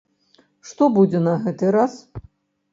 Што будзе на гэты раз?